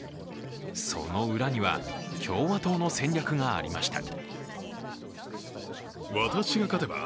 その裏には、共和党の戦略がありました。